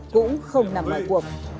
cũng không nằm ngoài cuộc